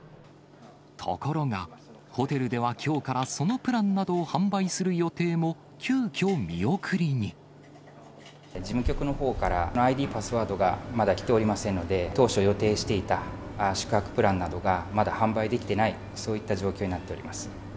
ところが、ホテルではきょうからそのプランなどを販売する予定も、急きょ見事務局のほうから、ＩＤ、パスワードがまだ来ておりませんで、当初予定していた宿泊プランなどが、まだ販売できてない、そういった状況になっております。